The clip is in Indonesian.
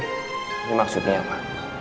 ini maksudnya apa